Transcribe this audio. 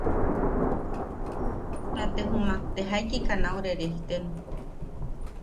Ta te jumak te jaiki ka nau rerejten.